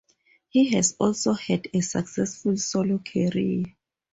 He has also had a successful solo career.